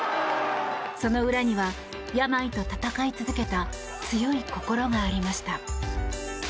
その裏には病と闘い続けた強い心がありました。